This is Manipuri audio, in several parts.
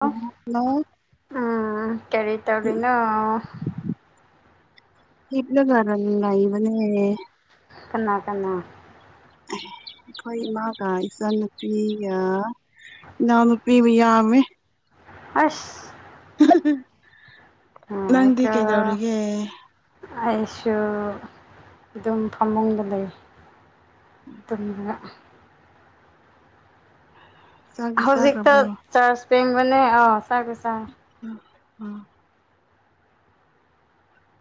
ꯍꯜꯂꯣ ꯎꯝ ꯀꯔꯤ ꯇꯧꯔꯤꯅ ꯏꯠꯂ ꯇꯔꯂ ꯏꯕꯅꯦ ꯀꯅꯥ ꯀꯅꯥ ꯑꯩꯈꯣꯏ ꯏꯃꯥꯒ ꯏꯆꯥꯅꯨꯄꯤꯒ ꯏꯅꯥꯎꯅꯄꯤꯤꯕ ꯌꯥꯝꯃꯦ ꯑꯁ [unintelligible] ꯅꯪꯗꯤ ꯀꯩꯗꯧꯔꯤꯒꯦ [unintelligible] ꯑꯩꯁꯨ ꯑꯗꯨꯝ ꯐꯃꯨꯡꯗ ꯂꯩ [unintelligible] ꯆꯥꯛꯇꯤ ꯍꯧꯖꯤꯛꯇ ꯆꯥꯈ꯭ꯔꯕ꯭ꯔꯣ ꯆꯥꯔꯖ ꯄꯦꯡꯕꯅꯦ ꯑꯥ ꯆꯔꯒꯦ ꯆꯥꯔꯦ ꯎꯝ ꯎꯝ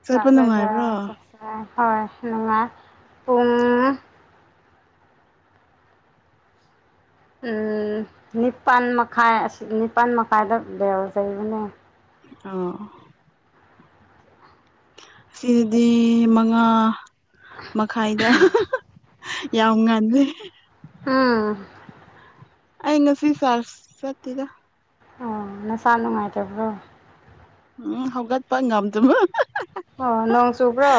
ꯆꯠꯄ ꯂꯥꯛ ꯅꯨꯡꯉꯥꯏꯕ꯭ꯔꯣ ꯂꯩꯖꯔ ꯆꯁꯥꯏ ꯍꯣꯏ ꯅ ꯄꯨꯡꯨꯡ ꯅꯤꯄꯥꯜ ꯃꯈꯥꯏ ꯑꯁꯤ ꯅꯤꯄꯥꯜ ꯃꯈꯥꯏꯗ ꯂꯩꯖꯕꯅꯦ ꯑꯣ ꯑꯁꯤꯗꯗꯤ ꯃꯉꯥ ꯃꯈꯥꯏꯗ ꯌꯥꯝ ꯉꯜꯂꯦ ꯍꯥ ꯑꯩ ꯉꯁꯤ ꯀꯂ꯭ꯥꯁ ꯆꯠꯇꯦꯗ ꯑꯣ ꯅꯁꯥ ꯅꯨꯡꯉꯥꯏꯇꯕ꯭ꯔꯣ ꯎꯝ ꯍꯧꯒꯠꯄ ꯉꯝꯗꯕ ꯑꯣ ꯅꯣꯡ ꯆꯨꯕ꯭ꯔꯣ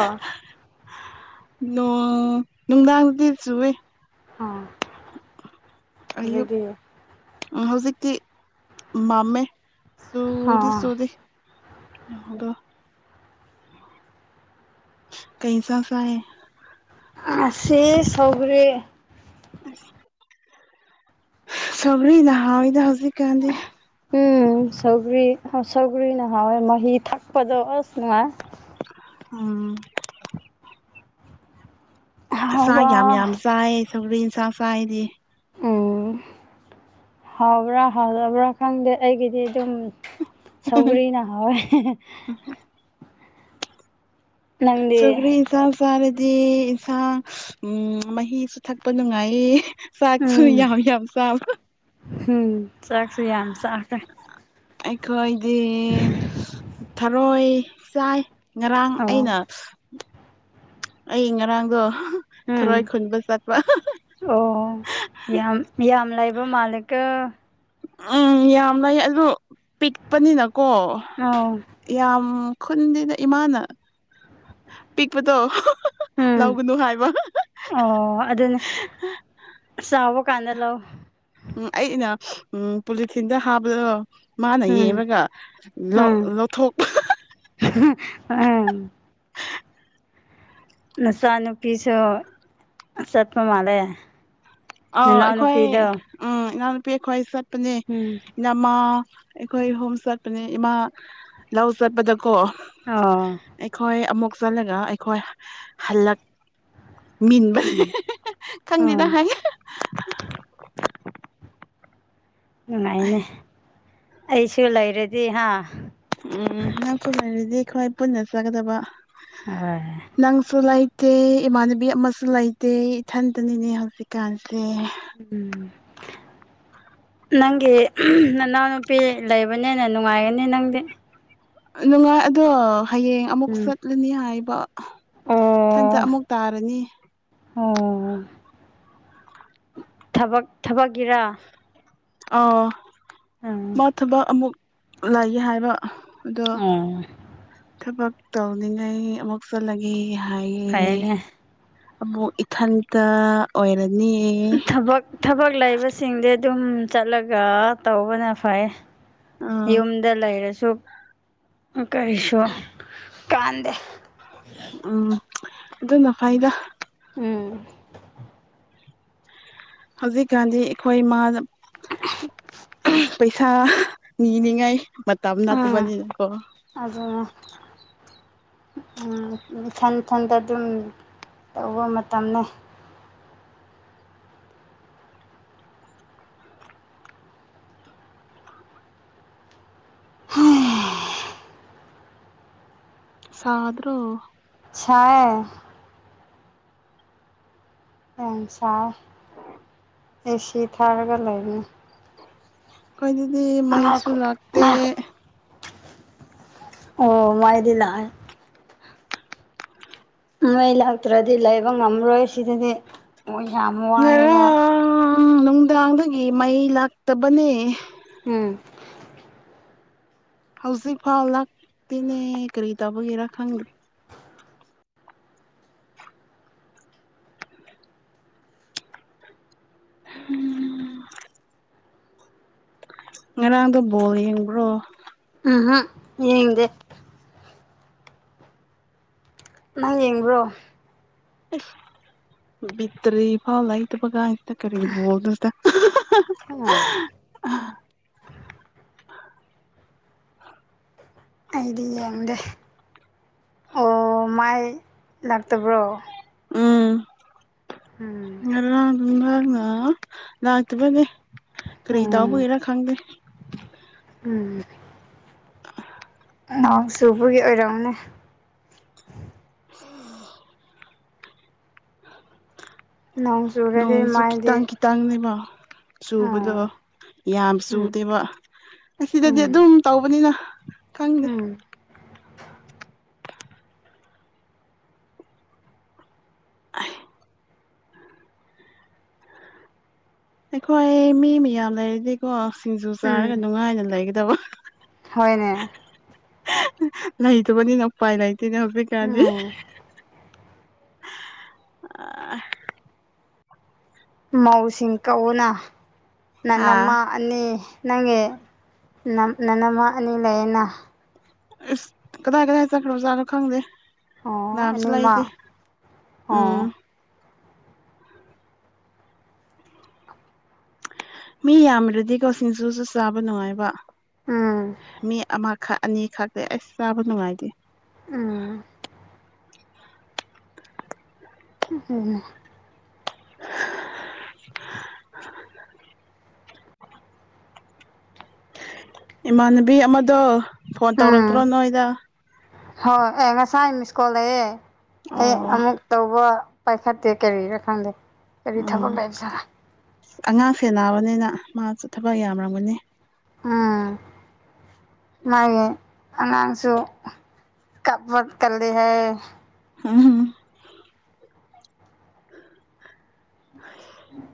ꯅꯣꯡ ꯅꯨꯡꯗꯥꯡꯗꯤ ꯆꯨꯏ ꯑꯣꯥ ꯑꯌꯨꯛ ꯍꯧꯖꯤꯛꯇꯤ ꯃꯝꯃꯦ ꯆꯨꯗꯤ ꯑꯣ ꯆꯨꯔꯤ ꯉꯥꯏꯈꯣꯀꯣ ꯀꯩ ꯆꯥꯛ ꯆꯥꯏꯌꯦ ꯉꯁꯤ ꯁꯧꯒꯔꯤ ꯑꯁ ꯁꯧꯒꯔꯤꯅ ꯍꯥꯎꯋꯤꯗ ꯍꯧꯖꯤꯛ ꯀꯥꯟꯗꯤ ꯎꯝ ꯁꯧꯒꯔꯤ ꯁꯧꯒ꯭ꯔꯤꯅ ꯍꯥꯎꯋꯦ ꯃꯍꯤ ꯊꯛꯄꯗꯣ ꯑꯁ ꯅꯨꯡꯉꯥꯏ ꯎꯝ ꯑꯁ ꯆꯥꯛ ꯌꯥꯝ ꯌꯥꯝ ꯍꯥꯎꯕ ꯆꯥꯏ ꯁꯧꯒꯔꯤ ꯏꯟꯁꯥ ꯆꯥꯏꯗꯤ ꯎꯝ ꯍꯥꯎꯕ꯭ꯔꯥ ꯍꯥꯎꯇꯕ꯭ꯔꯥ ꯈꯪꯗꯦ ꯑꯩꯒꯤꯗꯤ ꯑꯗꯨꯝ ꯁꯧꯒꯔꯤꯅ ꯍꯥꯎꯋꯦ ꯎꯝ ꯅꯪꯗꯤ ꯁꯧꯒꯔꯤ ꯆꯥꯛ ꯆꯥꯔꯗꯤ ꯏꯟꯁꯥꯡ ꯎꯝ ꯃꯍꯤꯁꯨ ꯊꯛꯄ ꯅꯨꯡꯉꯥꯏꯌꯦ ꯆꯥꯛꯁꯨꯨ ꯎꯝ ꯌꯥꯝ ꯌꯥꯝ ꯆꯥꯕ ꯎꯝ ꯆꯥꯛꯁꯨ ꯌꯥꯝ ꯆꯥꯈꯔꯦ ꯑꯩꯈꯣꯏꯗꯤ ꯊꯔꯣꯏ ꯆꯥꯏ ꯉꯔꯥꯡ ꯑꯣ ꯑꯩꯅ ꯑꯩ ꯉꯔꯥꯡꯗꯣ ꯊꯔꯣꯏ ꯎꯝ ꯈꯨꯟꯕ ꯆꯠꯄ ꯑꯣ ꯌꯥꯝ ꯌꯥꯝ ꯂꯩꯕ ꯃꯥꯜꯂꯤꯀꯣ ꯎꯝ ꯌꯥꯝ ꯂꯩ ꯑꯗꯨ ꯄꯤꯛꯄꯅꯤꯅꯀꯣ ꯑꯣ ꯌꯥꯝ ꯈꯨꯟꯗꯦꯗ ꯏꯃꯥꯅ ꯄꯤꯛꯄꯗꯣ ꯎꯝ ꯂꯧꯒꯅꯨ ꯍꯥꯏꯕ ꯑꯣ ꯑꯗꯨꯅ ꯆꯥꯎꯕ ꯀꯥꯟꯗ ꯂꯧ ꯎꯝ ꯑꯩꯅ ꯎꯝ ꯄꯣꯂꯤꯊꯤꯟꯗ ꯍꯥꯞꯄꯗꯣ ꯃꯥꯅ ꯎꯝ ꯌꯦꯡꯉꯒ ꯎꯝ ꯂꯧꯊꯣꯛ ꯎꯝ ꯅꯆꯥ ꯅꯨꯨꯄꯤꯁꯨ ꯆꯠꯄ ꯃꯥꯜꯂꯦ ꯑꯥꯎ ꯅꯅꯥꯎ ꯑꯩꯈꯣꯏ ꯅꯨꯄꯤꯗꯣ ꯎꯝ ꯏꯅꯥꯎꯅꯨꯄꯤ ꯑꯩꯈꯣꯏ ꯆꯠꯄꯅꯦ ꯎꯝ ꯏꯅꯝꯃꯥ ꯑꯩꯈꯣꯏ ꯑꯍꯨꯝ ꯆꯠꯄꯅꯦ ꯏꯃꯥ ꯂꯧ ꯆꯠꯄꯗꯀꯣ ꯑꯣ ꯑꯩꯈꯣꯏ ꯑꯃꯨꯛ ꯆꯠꯂꯒ ꯑꯩꯈꯣꯏ ꯍꯜꯂꯛ ꯃꯤꯟꯕ ꯎꯝ ꯈꯪꯗꯦꯗ ꯑꯣ ꯍꯥꯏꯌꯦ ꯅꯨꯡꯉꯥꯏꯅꯦ ꯑꯩꯁꯨ ꯂꯩꯔꯗꯤ ꯍꯥꯥ ꯎꯝ ꯅꯪꯁꯨ ꯂꯩꯔꯗꯤ ꯑꯩꯈꯣꯏ ꯄꯨꯟꯅ ꯆꯠ ꯀꯗꯕ ꯍꯣꯏ ꯅꯪꯁꯨ ꯂꯩꯇꯦ ꯏꯃꯥꯟꯅꯕꯤ ꯑꯃꯁꯨ ꯂꯩꯇꯦ ꯏꯊꯟꯇꯅꯤꯅꯦ ꯍꯧꯖꯤꯛꯀꯥꯟꯁꯦ ꯎꯝ ꯅꯪꯒꯤ ꯅꯅꯥꯎꯅꯨꯄꯤ ꯂꯩꯕꯅꯦ ꯅꯤꯅ ꯅꯨꯡꯉꯥꯏꯒꯅꯤ ꯅꯪꯗꯤ ꯅꯨꯡꯉꯥꯏ ꯑꯗꯣ ꯍꯌꯦꯡ ꯑꯃꯨꯛ ꯎꯝ ꯆꯠꯂꯅꯤ ꯍꯥꯏꯕ ꯏꯊꯟꯗ ꯑꯣ ꯑꯃꯨꯛ ꯇꯥꯔꯅꯤ ꯑꯣ ꯊꯕ ꯊꯕꯛꯀꯤꯔꯥ ꯑꯥ ꯎꯝ ꯃꯥ ꯊꯕꯛ ꯑꯃꯨꯛ ꯂꯩꯒꯦ ꯍꯥꯏꯕ ꯑꯗꯣ ꯑꯣ ꯊꯕꯛ ꯇꯧꯅꯤꯡꯉꯥꯏ ꯑꯃꯨꯛ ꯊꯣꯛꯆꯜꯂꯒꯦ ꯍꯥꯏꯌꯦ ꯐꯩꯅꯦ ꯑꯃꯨꯛ ꯏꯊꯟꯇ ꯑꯣꯏꯔꯅꯤꯌꯦ ꯊꯕꯛ ꯊꯕꯛ ꯂꯩꯕꯁꯤꯡꯗꯤ ꯑꯗꯨꯝ ꯆꯠꯂꯒ ꯇꯧꯕꯅ ꯐꯩ ꯑꯥ ꯌꯨꯝꯗ ꯂꯩꯔꯁꯨ ꯀꯔꯤꯁꯨ ꯀꯥꯟꯗ ꯎꯝ ꯑꯗꯨꯅ ꯐꯥꯏꯗ ꯎꯝ ꯍꯧꯖꯤꯛꯀꯥꯟꯗꯤ ꯑꯩꯈꯣꯏ ꯃꯥ [inaudible] ꯄꯩꯁꯥ ꯅꯤꯅꯤꯉꯥꯏ ꯃꯇꯝ ꯅꯠꯇꯕꯅꯤꯅ ꯀꯣ ꯑꯗꯨꯗ ꯎꯝꯊꯟ ꯃꯊꯟꯇ ꯑꯗꯨꯝ ꯇꯧꯕ ꯃꯇꯝꯅꯤ ꯍꯣꯡ ꯁꯥ ꯑꯗꯨ꯭ꯔꯣ ꯈ ꯑ ꯁꯥꯥ ꯑꯦꯁꯤ ꯊꯥꯔꯒ ꯂꯩꯅꯤ ꯀꯈꯣꯏ ꯑꯗꯨꯗꯤ ꯃꯩꯁꯨ ꯉꯥꯏꯈꯣ ꯂꯥꯛꯇꯦ ꯉꯥꯏꯈꯣ ꯑꯣ ꯃꯥꯏꯗꯤ ꯂꯥꯛꯑꯦ ꯅꯣꯏ ꯂꯥꯛꯇ꯭ꯔꯗꯤ ꯂꯩꯕ ꯉꯝꯃꯔꯣꯏ ꯁꯤꯗꯗꯤ ꯃꯣꯏ ꯌꯥꯝ ꯋꯥꯏꯑꯦꯕ ꯎꯝ ꯅꯨꯡꯗꯥꯡꯗꯒꯤ ꯃꯩ ꯂꯥꯛꯇꯕꯅꯦ ꯎꯝ ꯍꯧꯖꯤꯛ ꯐꯥꯎ ꯂꯇꯦꯅꯦ ꯀꯔꯤ ꯇꯧꯕꯒꯦꯔꯥ ꯈꯪꯗꯦ ꯎꯝ ꯉꯔꯥꯡꯗꯣ ꯕꯣꯜ ꯌꯦꯡꯕ꯭ꯔꯣ ꯎꯝꯝ ꯌꯦꯗꯦ ꯅꯪ ꯌꯦꯡꯕ꯭ꯔꯣ ꯇ꯭ꯔꯤ ꯐꯥꯎ ꯂ ꯏꯇ ꯒ ꯀꯔꯤꯕꯣꯜꯗꯗ ꯑꯥ ꯑꯩꯗꯤ ꯌꯦꯡꯗꯦ ꯑꯣ ꯃꯥꯏ ꯂꯥꯛꯇꯕ꯭ꯔꯣ ꯎꯝ ꯉꯥꯡ ꯉ ꯂꯥꯛꯇꯕꯅꯦꯦ ꯎꯝ ꯀꯔꯤꯗꯥꯎꯕꯔ ꯈꯥꯡꯒ ꯎꯝ ꯅꯍꯣꯡ ꯁꯨꯕꯒꯤ ꯑꯣꯏꯔꯝꯅꯦ ꯎꯝ ꯅꯣꯡ ꯆꯨꯔꯗꯤ ꯅꯣꯡꯁꯨꯈꯤ ꯃꯥꯏꯗꯤ ꯇꯪꯈꯤ ꯇꯪꯅꯦꯕ ꯆꯨꯕꯗꯣ ꯑꯥ ꯌꯥꯝ ꯎꯝ ꯆꯨꯗꯦꯕ ꯑꯁꯤꯗꯗꯤ ꯎꯝ ꯑꯗꯨꯝ ꯇꯧꯕꯅꯤꯅ ꯈꯪꯗꯦ ꯎꯝ ꯑꯩꯈꯣꯏ ꯃꯤ ꯃꯌꯥꯝ ꯂꯩꯔꯗꯤꯀꯣ ꯁꯤꯡꯖꯨ ꯆꯥꯔꯒ ꯅꯨꯡꯉꯥꯏꯅ ꯂꯩꯒꯗꯕ ꯍꯅꯦ ꯂꯩꯇꯕꯅꯤꯅꯄꯥꯏ ꯂꯩꯇꯣꯏꯅꯦ ꯍꯧꯞꯄꯦ ꯀꯥꯔꯗꯤ ꯎꯝ ꯃꯧꯁꯤ ꯀꯎꯅꯥ ꯍꯥ ꯅꯅꯃ ꯑꯅꯤ ꯅꯪꯒꯤ ꯅꯅꯃ ꯑꯅꯤ ꯂꯩꯌꯦꯅ ꯑꯁ ꯀꯗꯥꯏ ꯀꯗꯥꯏ ꯆꯠꯈ꯭ꯔꯣꯖꯥꯠꯅꯣ ꯈꯪꯗꯦ ꯑꯣ ꯂꯝ ꯆ ꯂꯏꯗ ꯑꯅꯤꯃꯛ ꯎꯝ ꯑꯣ ꯃꯤ ꯌꯥꯝꯗ꯭ꯔꯗꯤꯀꯣ ꯁꯤꯡꯖꯨꯁꯨ ꯆꯥꯕ ꯅꯨꯡꯉꯥꯏꯕ ꯎꯝ ꯃꯤ ꯑꯃ ꯈꯛ ꯑꯅꯤ ꯈꯛꯇꯦ ꯑꯩꯁ ꯆꯥꯕ ꯅꯨꯡꯉꯥꯏꯇꯦ ꯎꯝ ꯎ ꯎꯝ ꯍꯥ ꯏꯃꯥꯟꯅꯕꯤ ꯑꯃꯗꯣ ꯐꯣꯟ ꯇꯧꯔꯛꯇ꯭ꯔꯣ ꯎꯝ ꯅꯣꯏꯗ ꯍꯣꯏ ꯑꯦ ꯉꯁꯥꯏ ꯃꯤꯁꯀꯣꯜ ꯂꯩꯑꯦ ꯑꯩ ꯑꯣ ꯑꯃꯨꯛ ꯇꯧꯕ ꯄꯥꯏꯈꯠꯇꯦ ꯀꯔꯤꯔ ꯈꯪꯗꯦ ꯀꯔꯤ ꯊꯕꯛ ꯎꯝ ꯂꯩꯕꯖꯥꯔ ꯑꯉꯥꯡ ꯁꯦꯟꯅꯕꯅꯤꯅ ꯃꯥꯁꯨ ꯊꯕꯛ ꯌꯥꯝꯔꯝꯒꯅꯤ ꯎꯝ ꯃꯥꯒꯤ ꯑꯉꯥꯡꯁꯨ ꯀꯞꯄ ꯀꯜꯂꯤ ꯍꯦ ꯍ ꯍ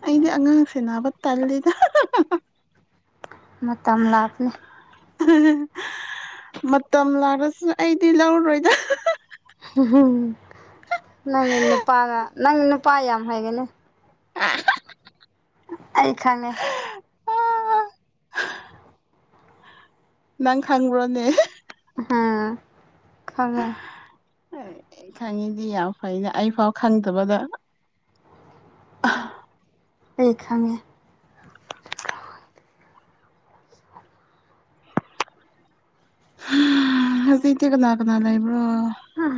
ꯑꯩꯗꯤ ꯑꯉꯥꯡꯁꯦꯟꯅꯕ ꯇꯜꯂꯤꯗ ꯃꯇꯝ ꯂꯥꯛꯅꯤ ꯎꯝ ꯃꯇꯝ ꯂꯥꯛꯔꯁꯨ ꯑꯩꯗꯤ ꯂꯧꯔꯣꯏꯗ ꯅꯪꯒꯤ ꯅꯨꯄꯥꯒ ꯅꯪꯒꯤ ꯅꯨꯄꯥ ꯌꯥꯝ ꯍꯩꯒꯅꯤ ꯑ ꯍꯥ-ꯍꯥ ꯑꯩ ꯈꯪꯉꯦ ꯅꯪ ꯈꯪꯕ꯭ꯔꯣꯅꯦ ꯍꯥ ꯈꯪꯉꯦ ꯈꯪꯉꯤꯗꯤ ꯌꯥꯝ ꯐꯩꯅꯦ ꯑꯩꯐꯥꯎ ꯈꯪꯗꯕꯗ ꯑꯩ ꯈꯪꯉꯦ ꯍꯧꯖꯤꯏꯇꯤ ꯀꯅꯥꯥ ꯀꯅꯥ ꯂꯩꯕ꯭ꯔꯣ ꯎꯝ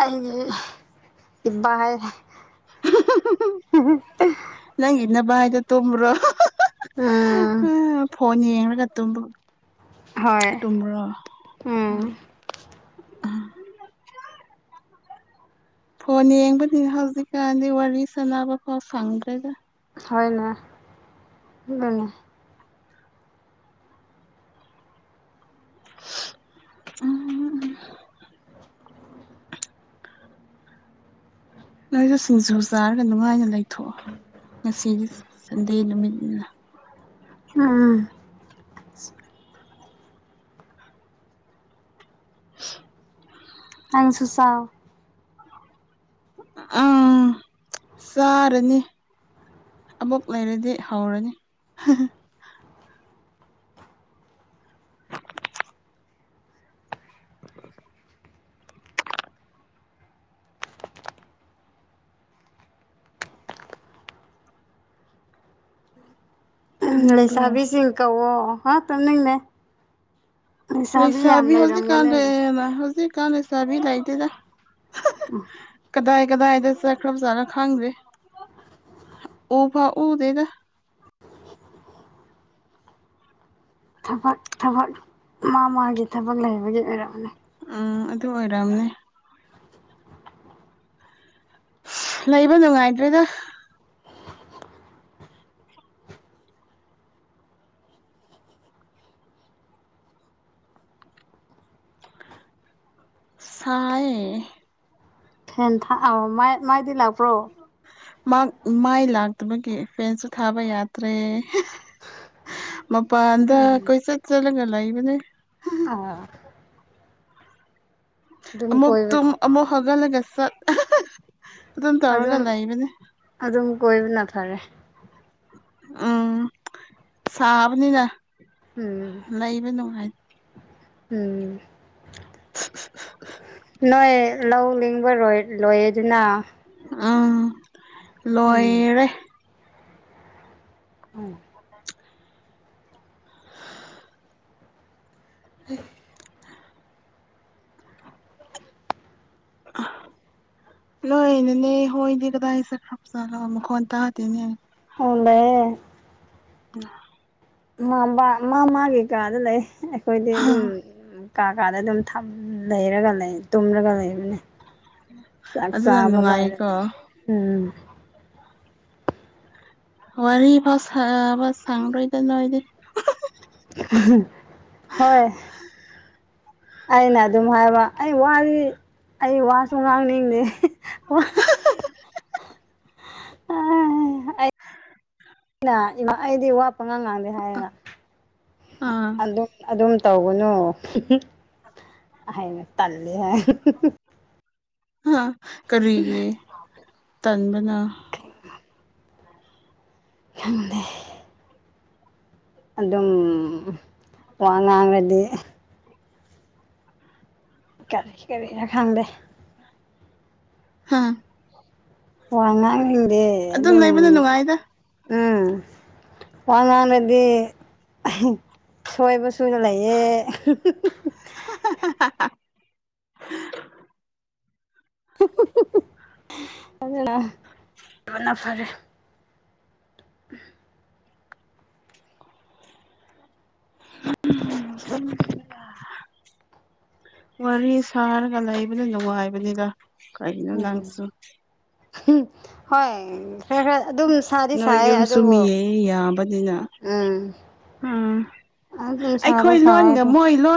ꯑꯩꯗꯤ ꯏꯕꯥ ꯍꯩ ꯅꯪꯒꯤ ꯅꯕꯥꯏꯗꯣ ꯇꯣꯝꯕ꯭ꯔꯣ ꯎ ꯎꯝ ꯐꯣꯟ ꯌꯦꯡꯔꯒ ꯇꯨꯝꯕ ꯍꯣꯏ ꯇꯨꯝꯕꯔꯣ ꯑ ꯎꯝ ꯐꯣꯟ ꯌꯦꯡꯕꯅꯤ ꯍꯧꯖꯤꯛꯀꯥꯟꯗꯤ ꯋꯥꯔꯤ ꯁꯥꯟꯅꯕ ꯐꯥꯎ ꯐꯪꯗ꯭ꯔꯦꯗ ꯍꯣꯏꯅꯦ ꯎꯝ ꯅꯣꯏꯁꯨ ꯁꯤꯡꯖꯨ ꯆꯥꯔꯒ ꯅꯨꯡꯉꯥꯏꯅ ꯂꯩꯊꯣꯛꯑꯣ ꯉꯁꯤꯗꯤ ꯁꯟꯗꯦ ꯅꯨꯃꯤꯠꯅꯤꯅ ꯎꯝ ꯅꯪꯁꯨꯨ ꯆꯥꯎ ꯎꯝ ꯆꯥꯔꯅꯤ ꯑꯃꯨꯛ ꯂꯩꯔꯗꯤ ꯍꯧꯔꯅꯤ ꯎꯝ ꯇꯨꯝꯅꯤꯡꯕ꯭ꯔꯣ ꯂꯩꯁꯥꯕꯤꯁꯤꯡ ꯀꯧꯋꯣ ꯍꯥ ꯇꯝꯅꯤꯡꯅꯦ ꯂꯩꯁꯥꯕꯤ ꯍꯧꯖꯤꯛꯀꯥꯟꯗ ꯍꯧꯖꯤꯛꯀꯥꯟ ꯂꯩꯁꯥꯕꯤ ꯂꯩꯇꯦꯗ ꯎꯝ ꯀꯗꯥꯏ ꯀꯗꯥꯏꯗ ꯆꯥꯈ꯭ꯔ ꯖꯥꯅꯣ ꯈꯪꯗ꯭ꯔꯦ ꯎ ꯐꯥꯎ ꯎꯗꯦꯗ ꯊꯕꯛ ꯊꯕꯛ ꯃꯥ ꯃꯥꯒꯤ ꯊꯕꯛ ꯂꯩꯕꯒꯤ ꯑꯣꯏꯔꯝꯅꯤ ꯎꯝ ꯑꯗꯨ ꯑꯣꯏꯔꯝꯅꯤ ꯂꯩꯕ ꯅꯨꯡꯉꯥꯏꯇ꯭ꯔꯦꯗ ꯁꯥ ꯌꯦ ꯐꯦꯟ ꯊꯥ ꯑꯣ ꯃꯥꯏ ꯃꯥꯏꯗꯤ ꯂꯥꯛꯄ꯭ꯔꯣ ꯃꯥꯏ ꯂꯥꯛꯇꯕꯒꯤ ꯐꯦꯟꯁꯨ ꯊꯥꯕ ꯌꯥꯇꯔꯦ ꯃꯄꯥꯟꯗ ꯀꯣꯏꯆꯠ ꯆꯠꯂꯒ ꯂꯩꯕꯅꯦ ꯑꯣꯥ ꯑꯗꯨꯝ ꯑꯃꯃꯨꯛ ꯀꯣꯏꯕ ꯇꯨꯝ ꯑꯃꯃꯨꯛ ꯍꯧꯒꯠꯂꯒꯆꯠ ꯑꯗꯨꯝ ꯇꯧꯔꯒ ꯂꯩꯕꯅꯦ ꯑꯗꯨꯝ ꯀꯣꯏꯕꯅ ꯐꯔꯦ ꯎꯝ ꯁꯥꯕꯅꯤꯅ ꯎꯝ ꯂꯩꯕ ꯅꯨꯡꯉꯥꯏ ꯎꯝ ꯅꯣꯏ ꯂꯧ ꯂꯤꯡꯕꯔꯣꯏ ꯂꯣꯏꯌꯦꯗꯅ ꯑꯥ ꯎꯝ ꯂꯣꯏꯔꯦ ꯎꯝ [inaudible] ꯎꯝ [unintelligible] ꯅꯣꯏ ꯅꯅꯦ ꯍꯣꯏꯗꯤ ꯀꯗꯥꯏ ꯆꯠꯈ꯭ꯔꯞꯆꯅꯣ ꯃꯈꯣꯟ ꯇꯥꯗꯦꯅꯦ ꯎꯝ ꯂꯩꯌꯦ꯫ [unintelligible] ꯃꯥ ꯃꯥꯒꯤ ꯀꯥꯗ ꯂꯩ ꯑꯩꯈꯣꯏꯗꯤ ꯑꯗꯨꯝ, ꯀꯥ ꯀꯥꯗ ꯑꯗꯨꯝ ꯂꯩꯔꯒ ꯂꯩ ꯇꯨꯝꯔꯒ ꯂꯩꯕꯅꯦ꯫ ꯆꯥꯛ ꯑꯗꯨꯅ ꯆꯕ ꯅꯨꯡꯉꯥꯏꯀꯣ ꯂꯣꯏꯏꯔꯗꯤ ꯎꯝ꯫ ꯋꯥꯔꯤ ꯐꯥꯎ ꯁꯥꯕ ꯁꯪꯗ꯭ꯔꯦꯗ ꯅꯣꯏꯗꯤ꯫ ꯍꯣꯏ ꯑꯩꯅ ꯑꯗꯨꯝ ꯍꯥꯏꯕ ꯑꯩ ꯋꯥꯔꯤ ꯑꯩ ꯋꯥꯁꯨ ꯉꯥꯡꯅꯤꯡꯗꯦ ꯑ ꯏꯃꯥ ꯑꯩꯗꯤ [unintelligible] ꯄꯪꯉꯥꯡ ꯉꯥꯡꯗꯦ ꯍꯥꯏꯌꯦꯕ ꯑꯥ ꯑꯗꯨꯝ ꯑꯗꯨꯝ ꯇꯧꯒꯅꯨ ꯍꯥꯏꯃ ꯇꯜꯂꯦ ꯍꯥꯏ ꯀꯔꯤꯒꯤ ꯇꯥꯟꯕꯅꯣ ꯈꯪꯗꯦ ꯑꯗꯨꯝ ꯋꯥ ꯉꯥꯡꯔꯗꯤ ꯀꯔꯤ ꯀꯔꯤꯔ ꯈꯪꯗꯦ ꯍꯥꯥ ꯋꯥ ꯉꯥꯡꯅꯤꯡꯗꯦ ꯑꯗꯨꯝ ꯂꯩꯕꯅ ꯅꯨꯡꯉꯥꯏꯗ ꯎꯝ ꯋꯥ ꯉꯥꯡꯔꯗꯤ ꯁꯣꯏꯕꯁꯨ ꯂꯩꯌꯦ [unintelligible] ꯑꯗꯨꯅ ꯂꯣꯟꯅ ꯐꯔꯦ [unintelligible] [unintelligible] [unintelligible] ꯋꯥꯔꯤ ꯁꯥꯔꯒ ꯂꯩꯕꯗꯨ ꯅꯨꯡꯉꯥꯏꯕꯅꯤꯗ ꯀꯔꯤꯒꯤꯅꯣ ꯅꯪꯁꯨ [unintelligible] ꯍꯣꯏ ꯈꯔ ꯈꯔ ꯑꯗꯨꯝ ꯁꯥꯗꯤ ꯅꯣꯏ ꯁꯥꯌꯦ ꯌꯨꯝ ꯁꯨꯝ ꯑꯗꯨꯕꯨ ꯌꯦꯡ ꯌꯥꯕꯅꯤꯅ ꯎꯝ ꯎꯝ ꯑꯗꯨꯝ ꯁꯥꯗꯤ ꯑꯩꯈꯣꯏ ꯁꯥꯏꯌꯦ ꯂꯣꯟꯒ ꯑꯗꯨ ꯃꯣꯏ ꯂꯣꯟ